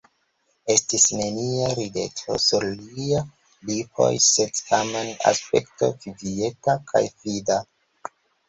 Estis nenia rideto sur liaj lipoj, sed tamen aspekto kvieta kaj fida.